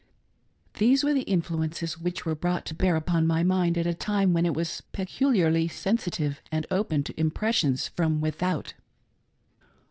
These were the influences which were brought to beat upon my mind at a time when it was peculiarly sensitive and open to impressions from without.